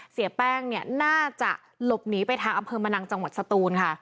เสียแป้งเนี่ยน่าจะหลบหนีไปทางอำเภอมะนังจังหวัดสตูนค่ะ